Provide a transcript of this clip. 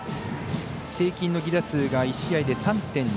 平均の儀打数が１試合で３．０９。